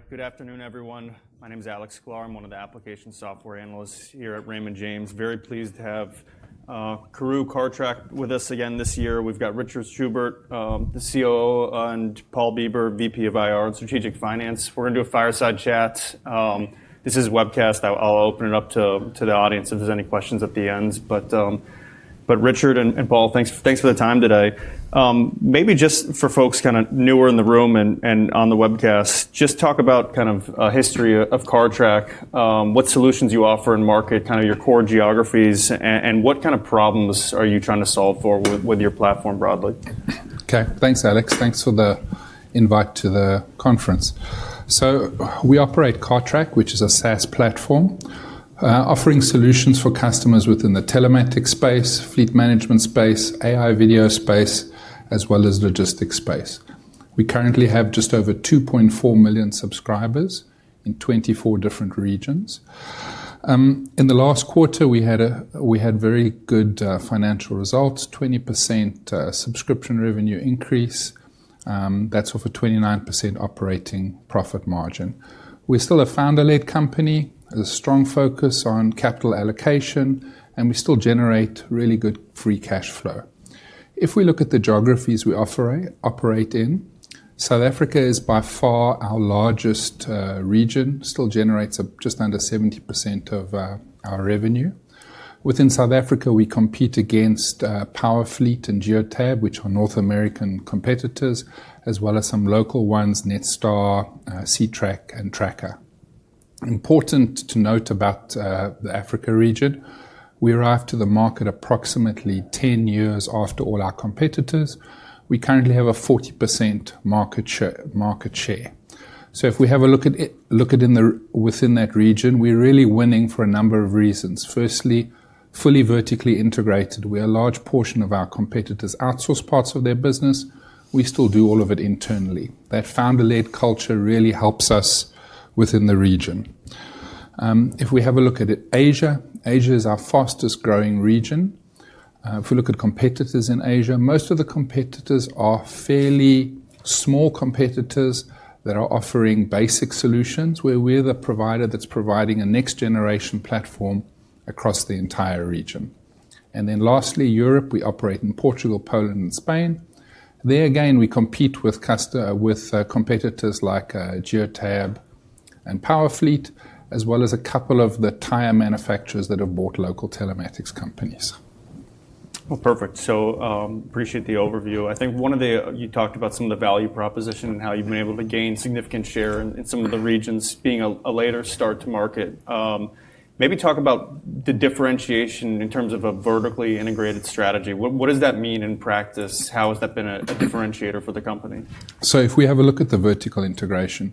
All right. Good afternoon, everyone. My name is Alex Clark. I'm one of the application software analysts here at Raymond James. Very pleased to have Karooooo Cartrack with us again this year. We've got Richard Schubert, the COO, and Paul Bieber, VP of IR and Strategic Finance. We're gonna do a fireside chat. This is a webcast. I'll open it up to the audience if there's any questions at the end. But Richard and Paul, thanks for the time today. Maybe just for folks kinda newer in the room and on the webcast, just talk about kind of history of Cartrack, what solutions you offer in market, kinda your core geographies, and what kinda problems are you trying to solve for with your platform broadly? Okay. Thanks, Alex. Thanks for the invite to the conference. So we operate Cartrack, which is a SaaS platform, offering solutions for customers within the telematics space, fleet management space, AI video space, as well as logistics space. We currently have just over 2.4 million subscribers in 24 different regions. In the last quarter, we had very good financial results: 20% subscription revenue increase. That's with a 29% operating profit margin. We're still a founder-led company. There's a strong focus on capital allocation, and we still generate really good free cash flow. If we look at the geographies we operate in, South Africa is by far our largest region, still generates just under 70% of our revenue. Within South Africa, we compete against Powerfleet and Geotab, which are North American competitors, as well as some local ones: Netstar, Ctrack, and Tracker. Important to note about the Africa region, we arrived to the market approximately 10 years after all our competitors. We currently have a 40% market share. So if we have a look at within that region, we're really winning for a number of reasons. Firstly, fully vertically integrated. We're a large portion of our competitors outsource parts of their business. We still do all of it internally. That founder-led culture really helps us within the region. If we have a look at Asia, Asia is our fastest-growing region. If we look at competitors in Asia, most of the competitors are fairly small competitors that are offering basic solutions, where we're the provider that's providing a next-generation platform across the entire region. Then lastly, Europe. We operate in Portugal, Poland, and Spain. There again, we compete with competitors like Geotab and Powerfleet, as well as a couple of the tire manufacturers that have bought local telematics companies. Well, perfect. So, I appreciate the overview. I think one of the, you talked about some of the value proposition and how you've been able to gain significant share in some of the regions being a later start to market. Maybe talk about the differentiation in terms of a vertically integrated strategy. What does that mean in practice? How has that been a differentiator for the company? So if we have a look at the vertical integration,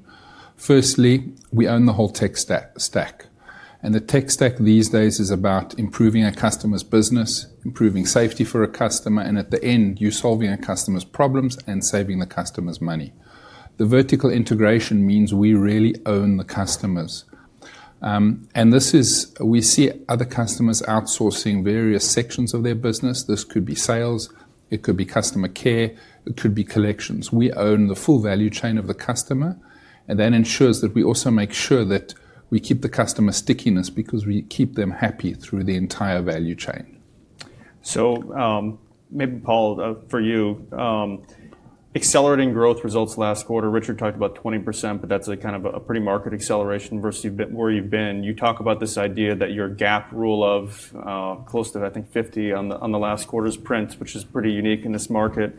firstly, we own the whole tech stack. And the tech stack these days is about improving a customer's business, improving safety for a customer, and at the end, you're solving a customer's problems and saving the customer's money. The vertical integration means we really own the customers. And this is, we see other customers outsourcing various sections of their business. This could be sales. It could be customer care. It could be collections. We own the full value chain of the customer, and that ensures that we also make sure that we keep the customer stickiness because we keep them happy through the entire value chain. So, maybe, Paul, for you, accelerating growth results last quarter. Richard talked about 20%, but that's kind of a pretty market acceleration versus where you've been. You talk about this idea that your rule of close to, I think, 50 on the last quarter's print, which is pretty unique in this market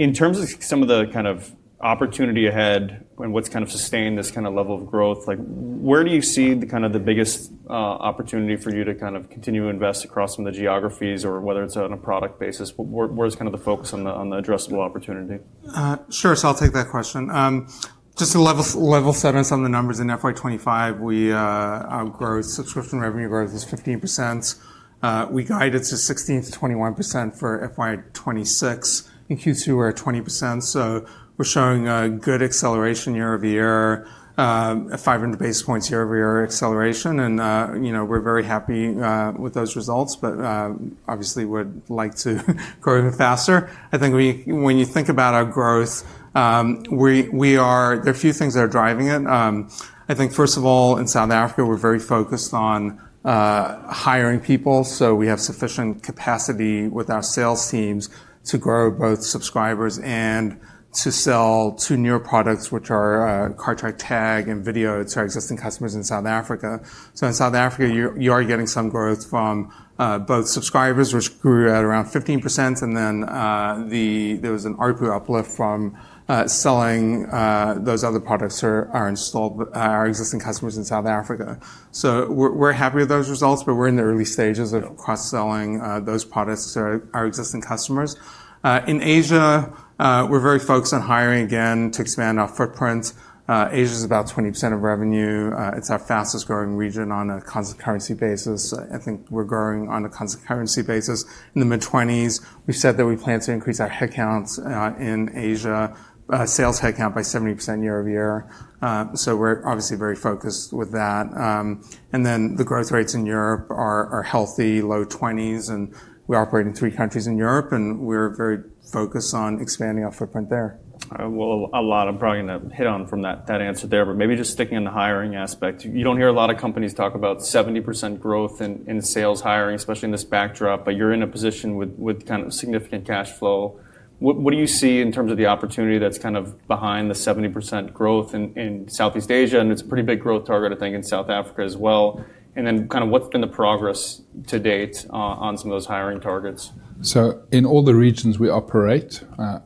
in terms of some of the kind of opportunity ahead and what's kind of sustained this kind of level of growth, like, where do you see kind of the biggest opportunity for you to kind of continue to invest across some of the geographies or whether it's on a product basis? Where's kind of the focus on the addressable opportunity? Sure. So I'll take that question. Just to level set on some of the numbers in FY25, our growth, subscription revenue growth was 15%. We guided to 16% to 21% for FY26. In Q2, we're at 20%. So we're showing a good acceleration year over year, 500 basis points year over year acceleration. And, you know, we're very happy with those results, but obviously would like to grow even faster. I think when you think about our growth, we are, there are a few things that are driving it. I think first of all, in South Africa, we're very focused on hiring people. So we have sufficient capacity with our sales teams to grow both subscribers and to sell newer products, which are Cartrack Tag and Video, to our existing customers in South Africa. So in South Africa, you are getting some growth from both subscribers, which grew at around 15%, and then there was an ARPU uplift from selling those other products that are installed on our existing customers in South Africa. We're happy with those results, but we're in the early stages of cross-selling those products to our existing customers. In Asia, we're very focused on hiring again to expand our footprint. Asia's about 20% of revenue. It's our fastest-growing region on a constant-currency basis. I think we're growing on a constant-currency basis in the mid-20s. We said that we plan to increase our headcount in Asia, sales headcount by 70% year over year. So we're obviously very focused with that. And then the growth rates in Europe are healthy, low 20s, and we operate in three countries in Europe, and we're very focused on expanding our footprint there. A lot I'm probably gonna hit on from that answer there, but maybe just sticking in the hiring aspect. You don't hear a lot of companies talk about 70% growth in sales hiring, especially in this backdrop, but you're in a position with kind of significant cash flow. What do you see in terms of the opportunity that's kind of behind the 70% growth in Southeast Asia? And it's a pretty big growth target, I think, in South Africa as well. And then kinda what's been the progress to date on some of those hiring targets? So in all the regions we operate,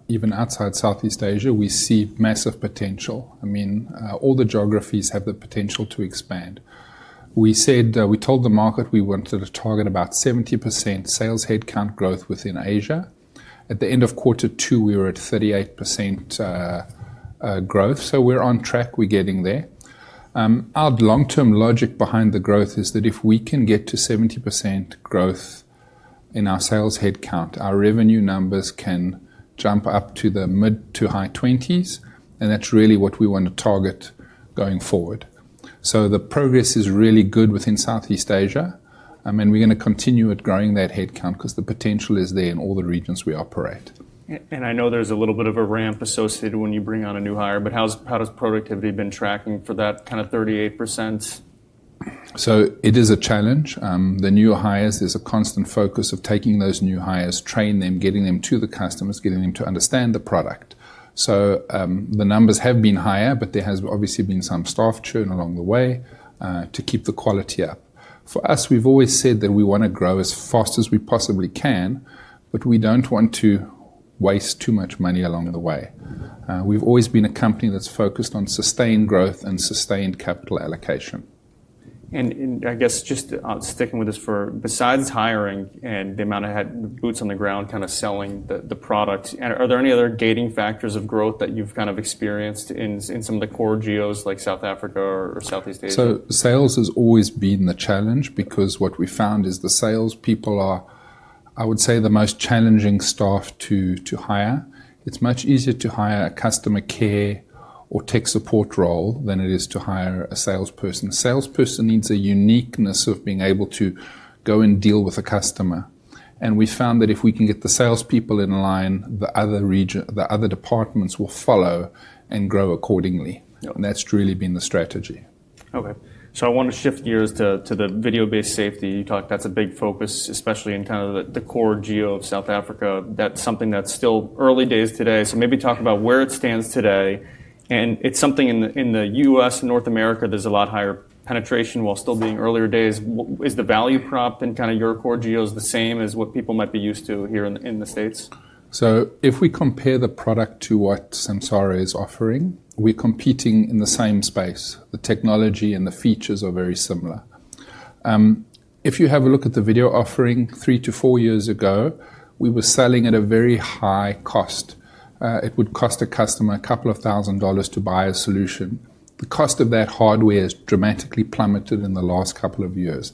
even outside Southeast Asia, we see massive potential. I mean, all the geographies have the potential to expand. We said, we told the market we wanted to target about 70% sales headcount growth within Asia. At the end of quarter two, we were at 38% growth. So we're on track. We're getting there. Our long-term logic behind the growth is that if we can get to 70% growth in our sales headcount, our revenue numbers can jump up to the mid- to high-20s%, and that's really what we wanna target going forward. So the progress is really good within Southeast Asia. I mean, we're gonna continue at growing that headcount 'cause the potential is there in all the regions we operate. I know there's a little bit of a ramp associated when you bring on a new hire, but how has productivity been tracking for that kinda 38%? So it is a challenge. The new hires, there's a constant focus of taking those new hires, training them, getting them to the customers, getting them to understand the product. So, the numbers have been higher, but there has obviously been some staff churn along the way, to keep the quality up. For us, we've always said that we wanna grow as fast as we possibly can, but we don't want to waste too much money along the way. We've always been a company that's focused on sustained growth and sustained capital allocation. I guess just sticking with this for besides hiring and the amount of boots on the ground kinda selling the product, are there any other gating factors of growth that you've kind of experienced in some of the core geos like South Africa or Southeast Asia? So sales has always been the challenge because what we found is the salespeople are, I would say, the most challenging staff to hire. It's much easier to hire a customer care or tech support role than it is to hire a salesperson. A salesperson needs a uniqueness of being able to go and deal with a customer. And we found that if we can get the salespeople in line, the other region, the other departments will follow and grow accordingly. Yep. That's truly been the strategy. Okay. So I wanna shift gears to the video-based safety. You talked that's a big focus, especially in kinda the core geo of South Africa. That's something that's still early days today. So maybe talk about where it stands today. And it's something in the U.S. and North America, there's a lot higher penetration while still being earlier days. What is the value prop in kinda your core geos the same as what people might be used to here in the States? So if we compare the product to what Samsara is offering, we're competing in the same space. The technology and the features are very similar. If you have a look at the video offering three to four years ago, we were selling at a very high cost. It would cost a customer a couple of thousand dollars to buy a solution. The cost of that hardware has dramatically plummeted in the last couple of years.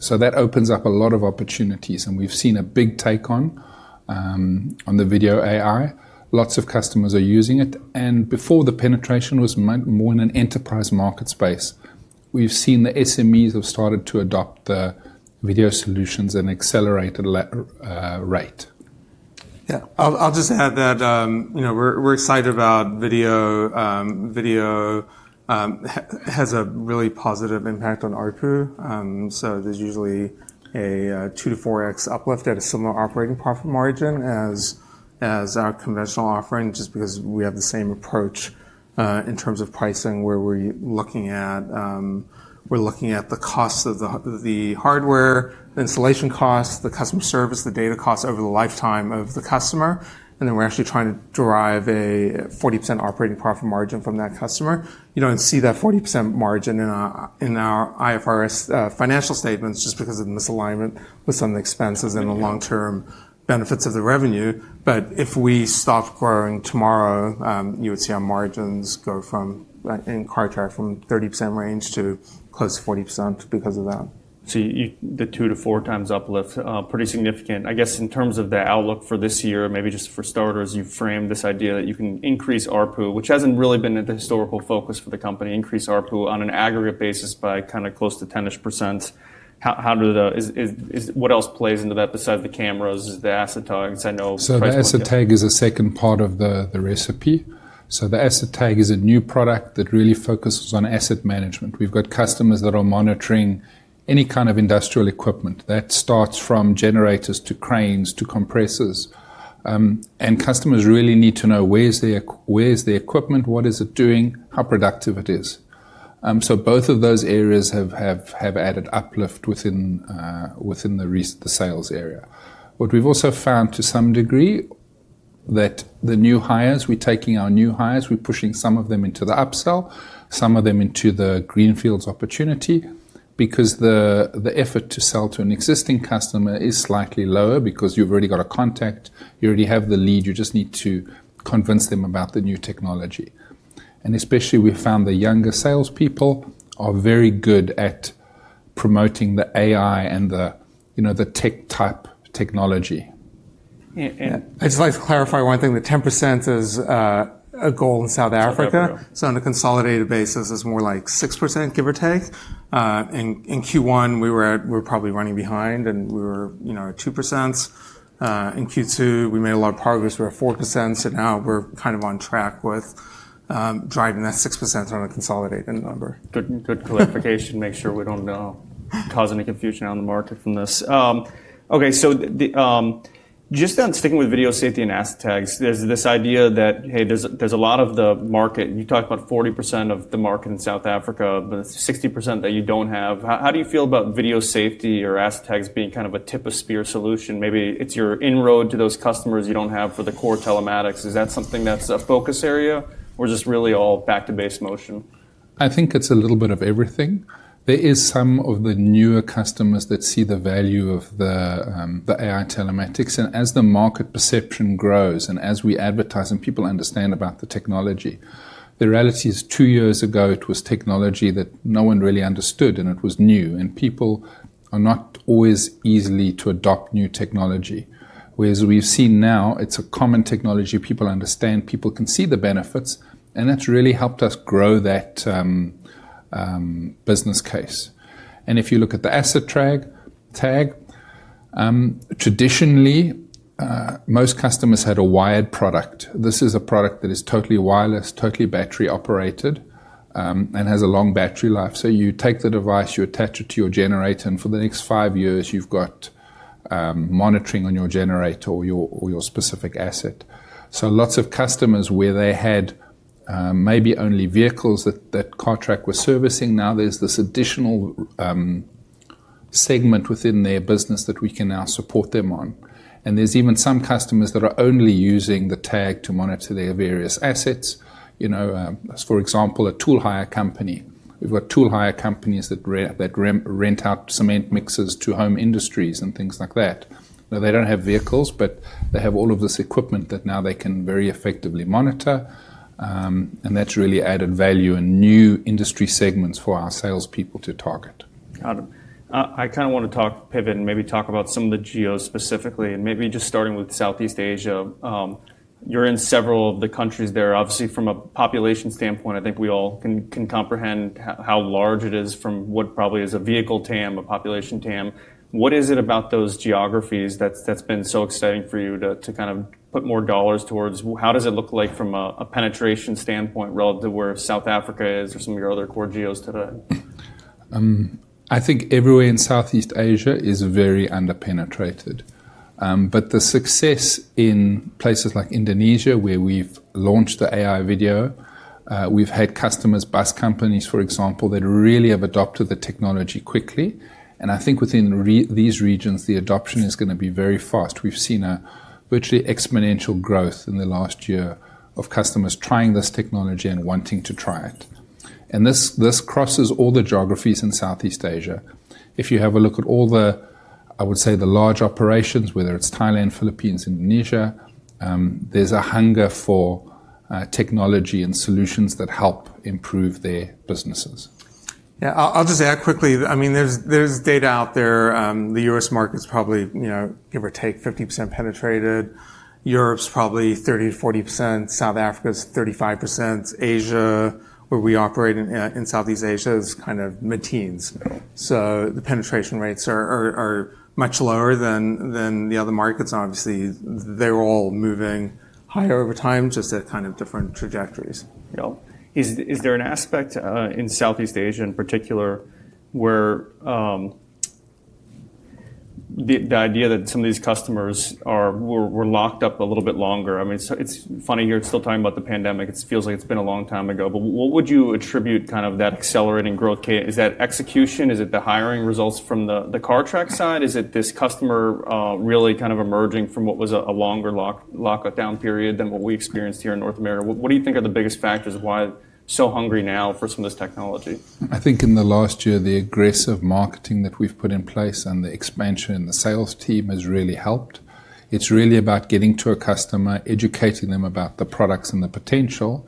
So that opens up a lot of opportunities, and we've seen a big take on the video AI. Lots of customers are using it. And before the penetration was more in an enterprise market space, we've seen the SMEs have started to adopt the video solutions at an accelerated rate. Yeah. I'll just add that, you know, we're excited about video. Video has a really positive impact on ARPU. So there's usually a two- to four-X uplift at a similar operating profit margin as our conventional offering just because we have the same approach, in terms of pricing where we're looking at the cost of the hardware, the installation costs, the customer service, the data costs over the lifetime of the customer. And then we're actually trying to derive a 40% operating profit margin from that customer. You don't see that 40% margin in our IFRS financial statements just because of misalignment with some of the expenses and the long-term benefits of the revenue. But if we stopped growing tomorrow, you would see our margins go from, in Cartrack, from 30% range to close to 40% because of that. So the two- to four-times uplift, pretty significant. I guess in terms of the outlook for this year, maybe just for starters, you've framed this idea that you can increase ARPU, which hasn't really been the historical focus for the company, increase ARPU on an aggregate basis by kinda close to 10-ish%. How does what else play into that besides the cameras? Is the asset tags? I know price tag. So the asset tag is a second part of the recipe. So the asset tag is a new product that really focuses on asset management. We've got customers that are monitoring any kind of industrial equipment. That starts from generators to cranes to compressors, and customers really need to know where's the equipment, what is it doing, how productive it is. So both of those areas have added uplift within the sales area. What we've also found to some degree that the new hires, we're taking our new hires, we're pushing some of them into the upsell, some of them into the greenfields opportunity because the effort to sell to an existing customer is slightly lower because you've already got a contact, you already have the lead, you just need to convince them about the new technology. And especially we found the younger salespeople are very good at promoting the AI and the, you know, the tech type technology. I just like to clarify one thing, that 10% is a goal in South Africa. That's correct. So on a consolidated basis, it's more like 6%, give or take. In Q1, we were probably running behind, you know, at 2%. In Q2, we made a lot of progress. We're at 4%, so now we're kind of on track with driving that 6% on a consolidated number. Good clarification. Make sure we don't cause any confusion on the market from this. Okay. So just on sticking with video safety and asset tags, there's this idea that, hey, there's a lot of the market. You talk about 40% of the market in South Africa, but it's 60% that you don't have. How do you feel about video safety or asset tags being kind of a tip of spear solution? Maybe it's your inroad to those customers you don't have for the core telematics. Is that something that's a focus area or just really all back-to-base motion? I think it's a little bit of everything. There is some of the newer customers that see the value of the AI telematics. And as the market perception grows and as we advertise and people understand about the technology, the reality is two years ago, it was technology that no one really understood and it was new. And people are not always easily to adopt new technology. Whereas we've seen now, it's a common technology. People understand, people can see the benefits, and that's really helped us grow that business case. And if you look at the asset tracking tag, traditionally, most customers had a wired product. This is a product that is totally wireless, totally battery operated, and has a long battery life. So you take the device, you attach it to your generator, and for the next five years, you've got monitoring on your generator or your specific asset. So lots of customers where they had maybe only vehicles that Cartrack was servicing. Now there's this additional segment within their business that we can now support them on. And there's even some customers that are only using the tag to monitor their various assets. You know, for example, a tool hire company. We've got tool hire companies that rent out cement mixers to home industries and things like that. Now they don't have vehicles, but they have all of this equipment that now they can very effectively monitor. And that's really added value and new industry segments for our salespeople to target. Got it. I kinda wanna talk, pivot, and maybe talk about some of the geos specifically, and maybe just starting with Southeast Asia. You're in several of the countries there. Obviously, from a population standpoint, I think we all can comprehend how large it is from what probably is a vehicle TAM, a population TAM. What is it about those geographies that's been so exciting for you to kind of put more dollars towards? How does it look like from a penetration standpoint relative to where South Africa is or some of your other core geos today? I think everywhere in Southeast Asia is very under-penetrated. But the success in places like Indonesia, where we've launched the AI video, we've had customers, bus companies, for example, that really have adopted the technology quickly. And I think within these regions, the adoption is gonna be very fast. We've seen a virtually exponential growth in the last year of customers trying this technology and wanting to try it. And this crosses all the geographies in Southeast Asia. If you have a look at all the, I would say, the large operations, whether it's Thailand, Philippines, Indonesia, there's a hunger for technology and solutions that help improve their businesses. Yeah. I'll just add quickly. I mean, there's data out there. The US market's probably, you know, give or take 50% penetrated. Europe's probably 30% to 40%. South Africa's 35%. Asia, where we operate in Southeast Asia is kind of immature. So the penetration rates are much lower than the other markets. And obviously, they're all moving higher over time, just at kind of different trajectories. Yep. Is there an aspect, in Southeast Asia in particular where the idea that some of these customers were locked up a little bit longer? I mean, so it's funny you're still talking about the pandemic. It feels like it's been a long time ago. But what would you attribute kind of that accelerating growth? Is that execution? Is it the hiring results from the Cartrack side? Is it this customer, really kind of emerging from what was a longer lockdown period than what we experienced here in North America? What do you think are the biggest factors of why so hungry now for some of this technology? I think in the last year, the aggressive marketing that we've put in place and the expansion in the sales team has really helped. It's really about getting to a customer, educating them about the products and the potential.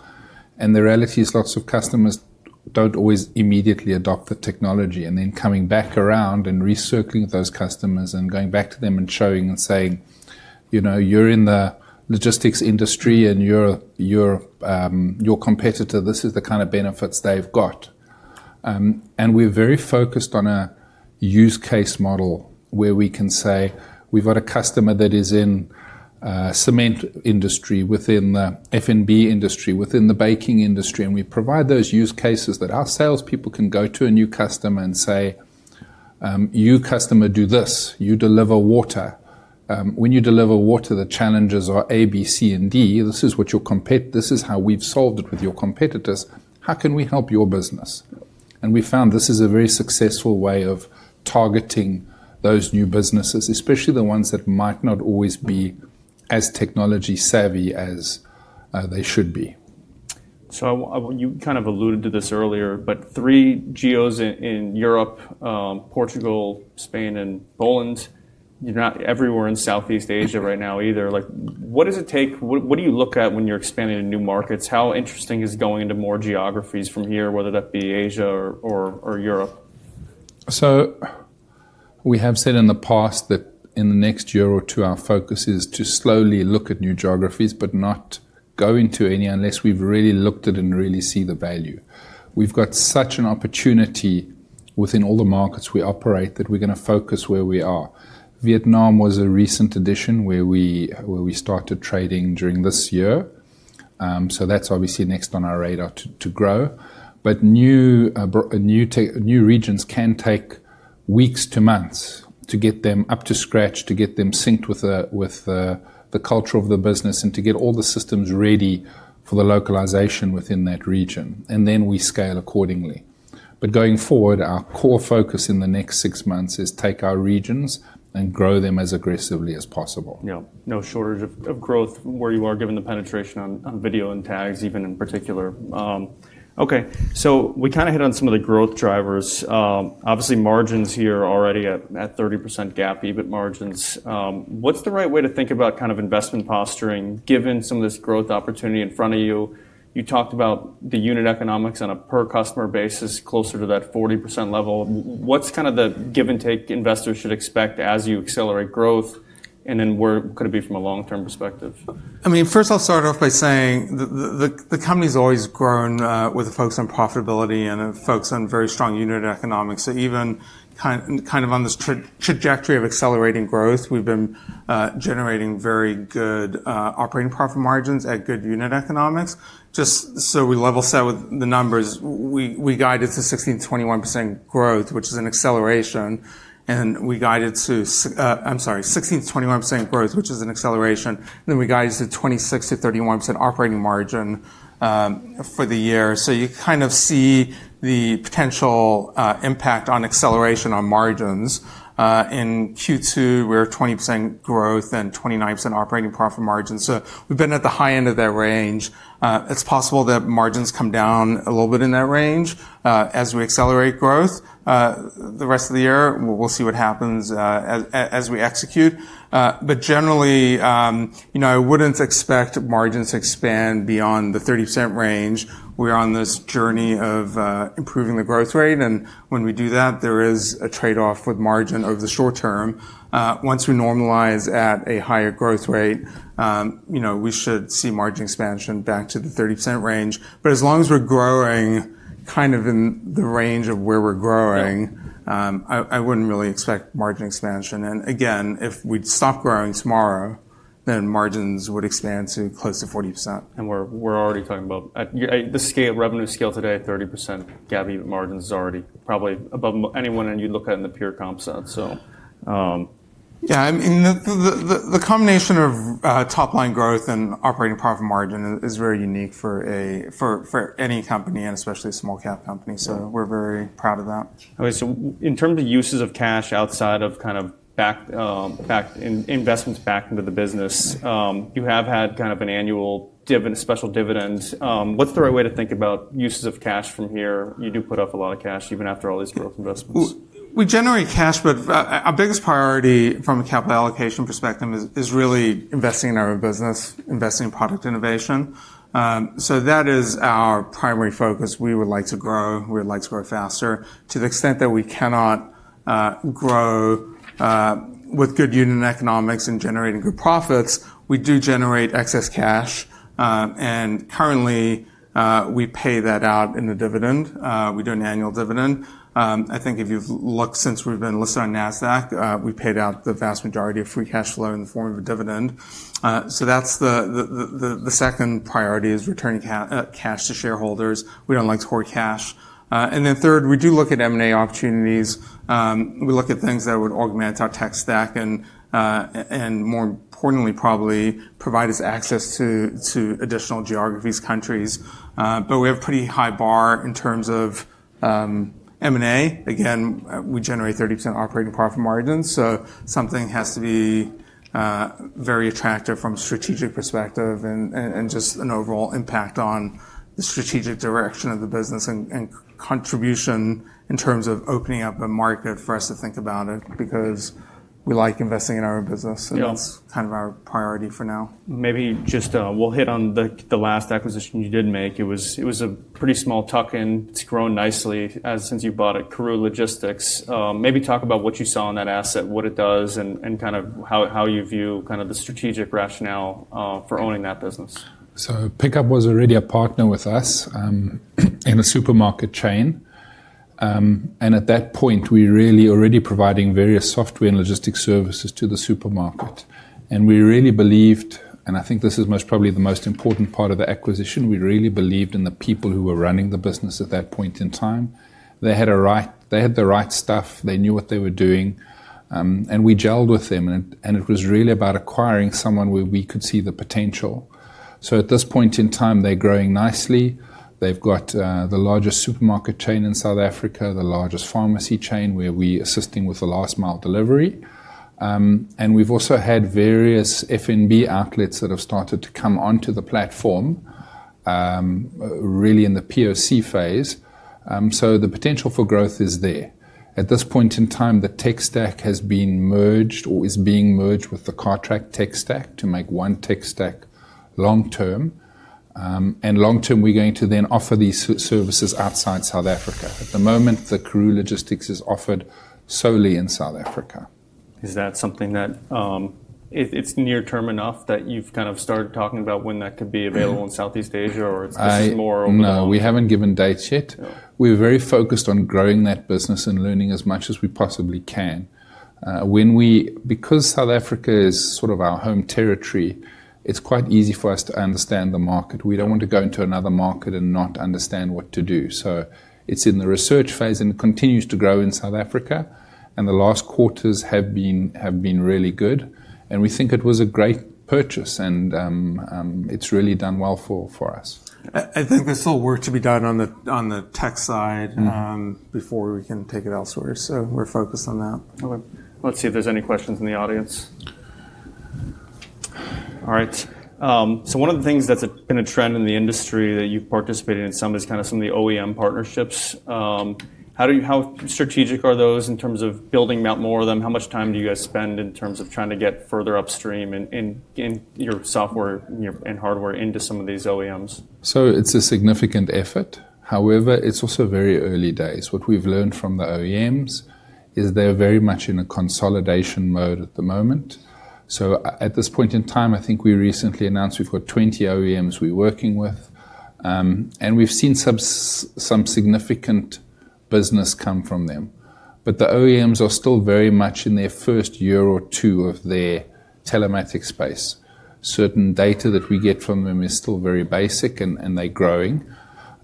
And the reality is lots of customers don't always immediately adopt the technology. And then coming back around and recircling those customers and going back to them and showing and saying, you know, you're in the logistics industry and your competitor, this is the kind of benefits they've got. And we are very focused on a use case model where we can say we've got a customer that is in cement industry, within the F&B industry, within the baking industry. And we provide those use cases that our salespeople can go to a new customer and say, you customer, do this. You deliver water. When you deliver water, the challenges are A, B, C, and D. This is what your competitors. This is how we've solved it with your competitors. How can we help your business? And we found this is a very successful way of targeting those new businesses, especially the ones that might not always be as technology savvy as they should be. So you kind of alluded to this earlier, but three geos in Europe, Portugal, Spain, and Poland. You're not everywhere in Southeast Asia right now either. Like, what does it take? What do you look at when you're expanding to new markets? How interesting is going into more geographies from here, whether that be Asia or Europe? We have said in the past that in the next year or two, our focus is to slowly look at new geographies, but not go into any unless we've really looked at it and really see the value. We've got such an opportunity within all the markets we operate that we're gonna focus where we are. Vietnam was a recent addition where we started trading during this year. So that's obviously next on our radar to grow. But new regions can take weeks to months to get them up to scratch, to get them synced with the culture of the business, and to get all the systems ready for the localization within that region. And then we scale accordingly. But going forward, our core focus in the next six months is take our regions and grow them as aggressively as possible. Yep. No shortage of growth where you are given the penetration on video and tags, even in particular. Okay. So we kinda hit on some of the growth drivers. Obviously margins here are already at 30% GAAP even margins. What's the right way to think about kind of investment posturing given some of this growth opportunity in front of you? You talked about the unit economics on a per customer basis closer to that 40% level. What's kind of the give and take investors should expect as you accelerate growth? And then where could it be from a long-term perspective? I mean, first I'll start off by saying the company's always grown, with the focus on profitability and the focus on very strong unit economics. Even kind of on this trajectory of accelerating growth, we've been generating very good operating profit margins at good unit economics. Just so we level set with the numbers, we guided to 16% to 21% growth, which is an acceleration, then we guided to 26% to 31% operating margin for the year. So you kind of see the potential impact on acceleration on margins. In Q2, we're at 20% growth and 29% operating profit margin. So we've been at the high end of that range. It's possible that margins come down a little bit in that range, as we accelerate growth the rest of the year. We'll see what happens as we execute, but generally, you know, I wouldn't expect margins to expand beyond the 30% range. We are on this journey of improving the growth rate, and when we do that, there is a trade-off with margin over the short term. Once we normalize at a higher growth rate, you know, we should see margin expansion back to the 30% range, but as long as we're growing kind of in the range of where we're growing, I wouldn't really expect margin expansion, and again, if we'd stop growing tomorrow, then margins would expand to close to 40%. We're already talking about, at the scale revenue scale today, 30% EBITDA even margins is already probably above anyone, and you'd look at it in the pure comp sense, so yeah, I mean, the combination of top line growth and operating profit margin is very unique for any company and especially a small cap company. We're very proud of that. Okay. In terms of uses of cash outside of kind of back in investments back into the business, you have had kind of an annual dividend, a special dividend. What's the right way to think about uses of cash from here? You do put up a lot of cash even after all these growth investments. We generate cash, but our biggest priority from a capital allocation perspective is really investing in our own business, investing in product innovation. That is our primary focus. We would like to grow. We would like to grow faster. To the extent that we cannot grow with good unit economics and generating good profits, we do generate excess cash. Currently, we pay that out in a dividend. We do an annual dividend. I think if you've looked since we've been listed on NASDAQ, we paid out the vast majority of free cash flow in the form of a dividend. So that's the second priority: returning cash to shareholders. We don't like to hoard cash. And then third, we do look at M&A opportunities. We look at things that would augment our tech stack and more importantly, probably provide us access to additional geographies, countries. But we have a pretty high bar in terms of M&A. Again, we generate 30% operating profit margins. So something has to be very attractive from a strategic perspective and just an overall impact on the strategic direction of the business and contribution in terms of opening up a market for us to think about it because we like investing in our own business. That's kind of our priority for now. Maybe just, we'll hit on the last acquisition you did make. It was a pretty small tuck-in. It's grown nicely has since you bought it, Karooooo Logistics. Maybe talk about what you saw in that asset, what it does, and kind of how you view kind of the strategic rationale for owning that business. So Picup was already a partner with us in a supermarket chain. And at that point, we really already providing various software and logistics services to the supermarket. And we really believed, and I think this is most probably the most important part of the acquisition, we really believed in the people who were running the business at that point in time. They had a right, they had the right stuff. They knew what they were doing. And we gelled with them. And it was really about acquiring someone where we could see the potential. So at this point in time, they're growing nicely. They've got the largest supermarket chain in South Africa, the largest pharmacy chain where we're assisting with the last mile delivery. And we've also had various F&B outlets that have started to come onto the platform, really in the POC phase. So the potential for growth is there. At this point in time, the tech stack has been merged or is being merged with the Cartrack tech stack to make one tech stack, long-term. And long-term, we're going to then offer these services outside South Africa. At the moment, the Karooooo Logistics is offered solely in South Africa. Is that something that, it, it's near-term enough that you've kind of started talking about when that could be available in Southeast Asia or it's just more over? No, we haven't given dates yet. We are very focused on growing that business and learning as much as we possibly can. When we, because South Africa is sort of our home territory, it's quite easy for us to understand the market. We don't want to go into another market and not understand what to do. So it's in the research phase and it continues to grow in South Africa. And the last quarters have been really good. And we think it was a great purchase. And it's really done well for us. I think there's still work to be done on the tech side, before we can take it elsewhere. So we're focused on that. Okay. Let's see if there's any questions in the audience. All right. So one of the things that's been a trend in the industry that you've participated in some is kind of some of the OEM partnerships. How do you, how strategic are those in terms of building out more of them? How much time do you guys spend in terms of trying to get further upstream in your software and your hardware into some of these OEMs? So it's a significant effort. However, it's also very early days. What we've learned from the OEMs is they're very much in a consolidation mode at the moment. So at this point in time, I think we recently announced we've got 20 OEMs we are working with. And we've seen some significant business come from them. But the OEMs are still very much in their first year or two of their telematics space. Certain data that we get from them is still very basic and they're growing.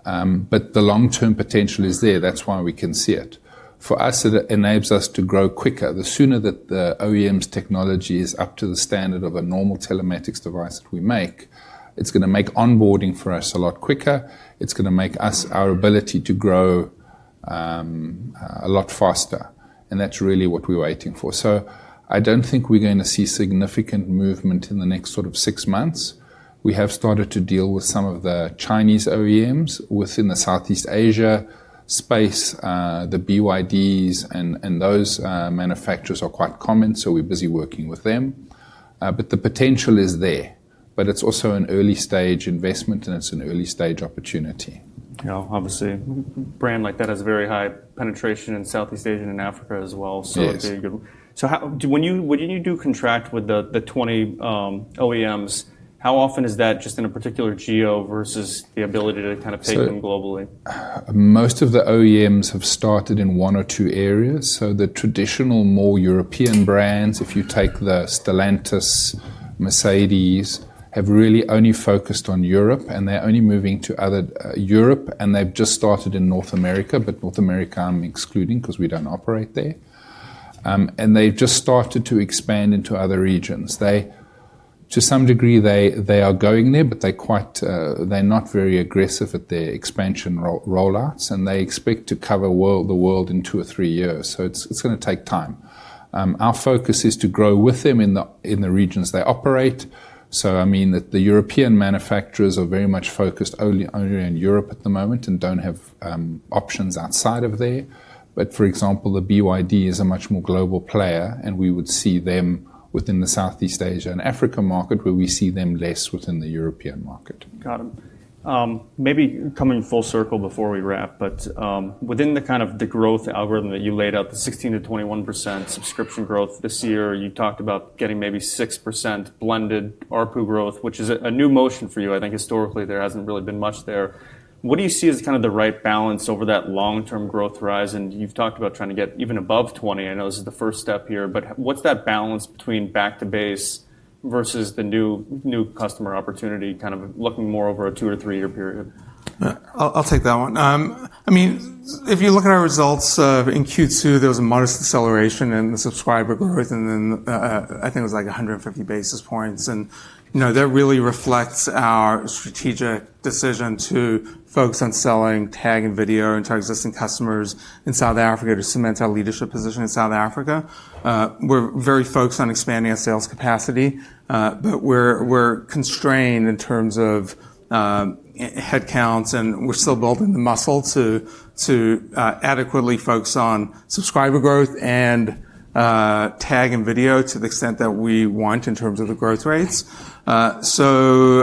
But the long-term potential is there. That's why we can see it. For us, it enables us to grow quicker. The sooner that the OEM's technology is up to the standard of a normal telematics device that we make, it's gonna make onboarding for us a lot quicker. It's gonna make us our ability to grow a lot faster. And that's really what we're waiting for. So I don't think we're gonna see significant movement in the next sort of six months. We have started to deal with some of the Chinese OEMs within the Southeast Asia space. The BYDs and those manufacturers are quite common. So we're busy working with them. But the potential is there. But it's also an early stage investment and it's an early stage opportunity. Yeah. Obviously, a brand like that has very high penetration in Southeast Asia and in Africa as well. So it'd be a good. So how, when you do contract with the 20 OEMs, how often is that just in a particular geo versus the ability to kind of take them globally? Most of the OEMs have started in one or two areas. So the traditional more European brands, if you take the Stellantis, Mercedes, have really only focused on Europe and they're only moving to other Europe. And they've just started in North America, but North America I'm excluding 'cause we don't operate there. And they've just started to expand into other regions. They, to some degree, are going there, but they're not very aggressive at their expansion rollouts. And they expect to cover the world in two or three years. So it's gonna take time. Our focus is to grow with them in the regions they operate. So, I mean, the European manufacturers are very much focused only in Europe at the moment and don't have options outside of there. But for example, the BYD is a much more global player. And we would see them within the Southeast Asia and Africa market where we see them less within the European market. Got it. Maybe coming full circle before we wrap, but within the kind of the growth algorithm that you laid out, the 16% to 21% subscription growth this year, you talked about getting maybe 6% blended ARPU growth, which is a new motion for you. I think historically there hasn't really been much there. What do you see as kind of the right balance over that long-term growth horizon? You've talked about trying to get even above 20. I know this is the first step here, but what's that balance between back to base versus the new, new customer opportunity kind of looking more over a two or three year period? I'll, I'll take that one. I mean, if you look at our results, in Q2, there was a modest acceleration in the subscriber growth. And then, I think it was like 150 basis points. And, you know, that really reflects our strategic decision to focus on selling tag and video into our existing customers in South Africa to cement our leadership position in South Africa. We're very focused on expanding our sales capacity. But we're, we're constrained in terms of, head counts. We're still building the muscle to adequately focus on subscriber growth and tag and video to the extent that we want in terms of the growth rates. So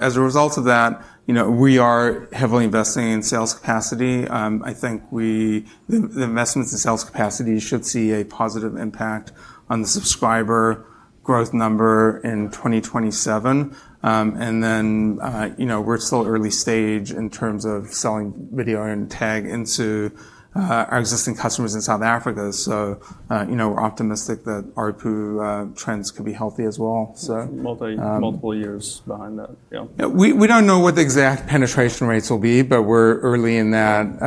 as a result of that, you know, we are heavily investing in sales capacity. I think the investments in sales capacity should see a positive impact on the subscriber growth number in 2027. And then, you know, we're still early stage in terms of selling video and tag into our existing customers in South Africa. So, you know, we're optimistic that ARPU trends could be healthy as well. So multiple years behind that. Yeah. We don't know what the exact penetration rates will be, but we're early in that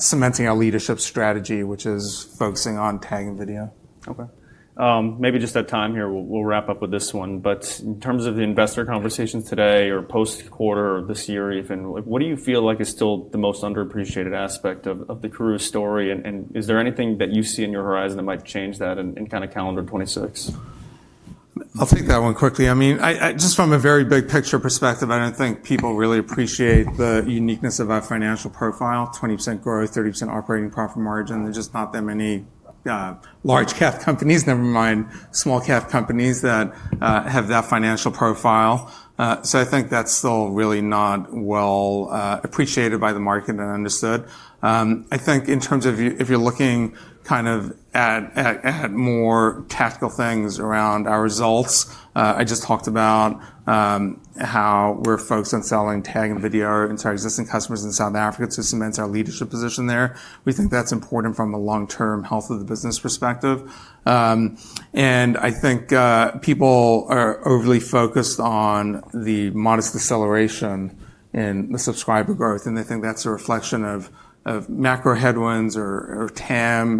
cementing our leadership strategy, which is focusing on tag and video. Okay. Maybe just in time here, we'll wrap up with this one. But in terms of the investor conversations today or post-quarter or this year, if and like, what do you feel like is still the most underappreciated aspect of the Karooooo story? And is there anything that you see in your horizon that might change that in kind of calendar 2026? I'll take that one quickly. I mean, I just from a very big picture perspective, I don't think people really appreciate the uniqueness of our financial profile. 20% growth, 30% operating profit margin. There's just not that many large cap companies, never mind small cap companies that have that financial profile. So I think that's still really not well appreciated by the market and understood. I think in terms of you, if you're looking kind of at more tactical things around our results. I just talked about how we're focused on selling tag and video into our existing customers in South Africa to cement our leadership position there. We think that's important from a long-term health of the business perspective, and I think people are overly focused on the modest acceleration in the subscriber growth, and they think that's a reflection of macro headwinds or TAM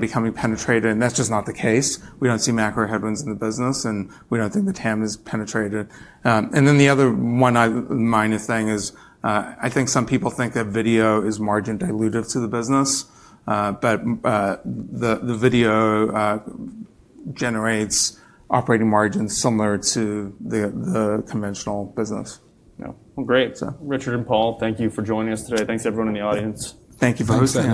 becoming penetrated. That's just not the case. We don't see macro headwinds in the business, and we don't think the TAM is penetrated, and then the other one, minor thing is, I think some people think that video is margin dilutive to the business, but the video generates operating margins similar to the conventional business. Yeah, well, great. Richard and Paul, thank you for joining us today. Thanks to everyone in the audience. Thank you for hosting.